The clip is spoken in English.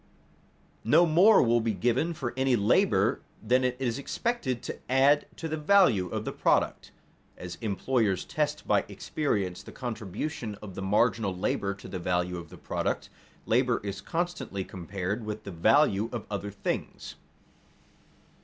No more will be given for any labor than it is expected to add to the value of the product. As employers test by experience the contribution of the marginal labor to the value of the product, labor is constantly compared with the value of other things.